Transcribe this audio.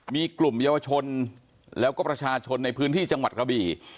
มีกลุ่มเยาวชนแล้วก็ประชาชนในพื้นที่จังหวัดกระบี่